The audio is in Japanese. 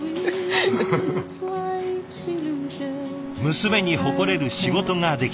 娘に誇れる仕事ができる。